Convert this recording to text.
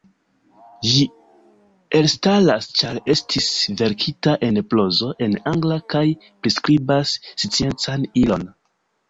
Ĝi elstaras ĉar estis verkita en prozo, en angla, kaj priskribas sciencan ilon.